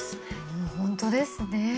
うん本当ですね。